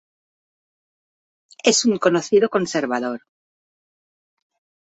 Es un conocido conservador.